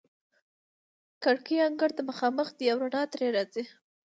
کړکۍ انګړ ته مخامخ دي او رڼا ترې راځي.